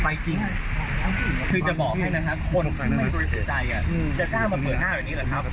ไปจริงคือจะบอกให้นะครับคนที่ไม่ตัวใจจะกล้ามาเปิดหน้าแบบนี้แหละครับ